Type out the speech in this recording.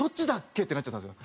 ってなっちゃったんですよ。